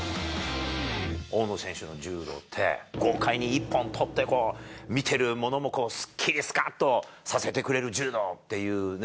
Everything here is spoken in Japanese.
大野選手の柔道って、豪快に一本取ってこう、見てるものもすっきり、すかっとさせてくれる柔道っていうね。